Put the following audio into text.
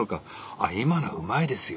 あ今のはうまいですよ。